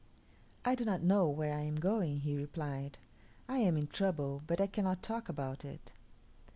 "I do not know where I am going," he replied; "I am in trouble, but I cannot talk about it."